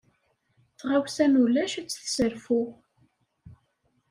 Tɣawsa n wulac ad t-tesserfu.